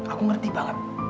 aku ngerti banget